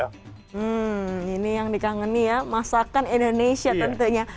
hmm ini yang dikangeni ya masakan indonesia tentunya